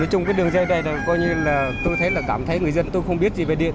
nói chung cái đường dây này là coi như là tôi thấy là cảm thấy người dân tôi không biết gì về điện